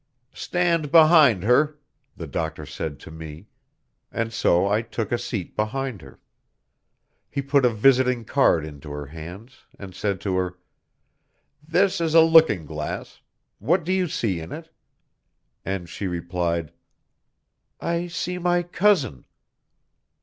"Stand behind her," the doctor said to me, and so I took a seat behind her. He put a visiting card into her hands, and said to her: "This is a looking glass; what do you see in it?" And she replied: "I see my cousin."